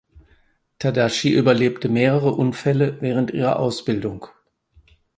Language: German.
Tadashi überlebte mehrere Unfälle während ihrer Ausbildung.